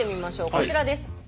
こちらです。